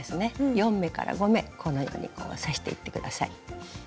４目から５目このようにこう刺していって下さい。